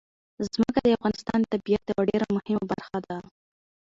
ځمکه د افغانستان د طبیعت یوه ډېره مهمه برخه ده.